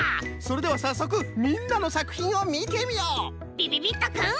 びびびっとくん。